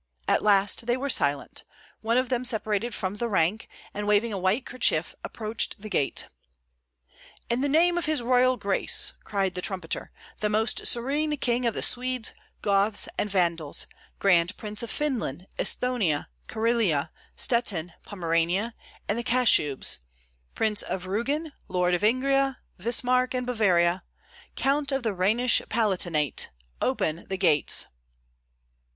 At last they were silent; one of them separated from the rank, and waving a white kerchief, approached the gate. "In the name of his Royal Grace," cried the trumpeter, "the Most Serene King of the Swedes, Goths, and Vandals, Grand Prince of Finland, Esthonia, Karelia, Stettin, Pomerania, and the Kashubes, Prince of Rugen, Lord of Ingria, Wismark, and Bavaria, Count of the Rhenish Palatinate, open the gates."